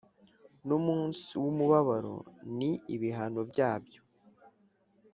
ni umunsi w umubabaro n ibihano byabyo